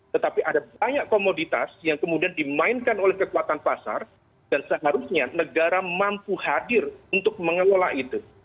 tetapi ada banyak komoditas yang kemudian dimainkan oleh kekuatan pasar dan seharusnya negara mampu hadir untuk mengelola itu